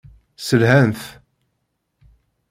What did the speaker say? Sselhan-t.